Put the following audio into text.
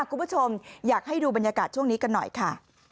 คุณผู้ชมอยากให้ดูบรรยากาศช่วงนี้กันหน่อยค่ะ